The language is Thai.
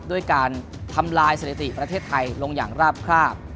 ด้วยการทำลายสถิติประเทศไทยลงอย่างราบคราบ